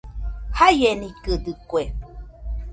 Jaienikɨdɨkue